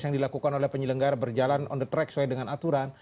yang dilakukan oleh penyelenggara berjalan on the track sesuai dengan aturan